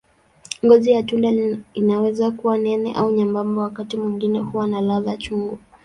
Ngozi ya tunda inaweza kuwa nene au nyembamba, wakati mwingine huwa na ladha chungu.